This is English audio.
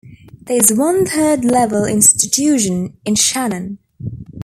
There is one third level institution in Shannon.